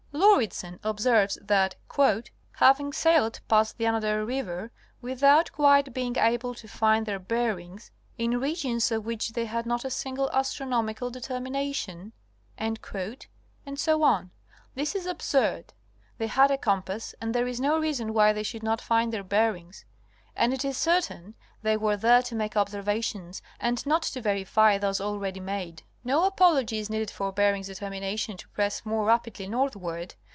Lauridsen observes (American edition, p. 30), that '' having sailed past the Anadyr River without quite being able to find their bearings, in regions of which they had not a single astronomical determination," . Review of Berings First Hapedition, 1725 30. 149 etc. This is absurd. They had a compass and there is no reason why they should not find their bearings, and it is certain they were there to make observations and not to verify those already made. No apology is needed for Bering's determination to press more rapidly northward.